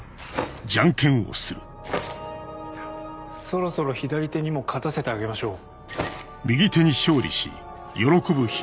そろそろ左手にも勝たせてあげましょう。